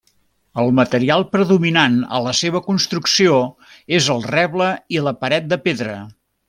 El material predominant a la seva construcció és el reble i la paret de pedra.